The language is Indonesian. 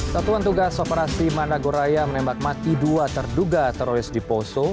satuan tugas operasi managoraya menembak mati dua terduga teroris di poso